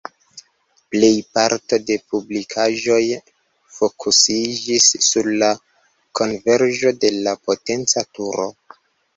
Plej parto de publikaĵoj fokusiĝis sur la konverĝo de la potenca turo.